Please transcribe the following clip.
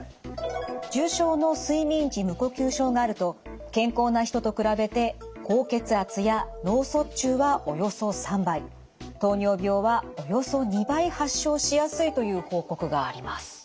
重症の睡眠時無呼吸症があると健康な人と比べて高血圧や脳卒中はおよそ３倍糖尿病はおよそ２倍発症しやすいという報告があります。